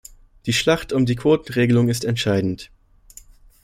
Die Schlacht um die Quotenregelung ist entscheidend.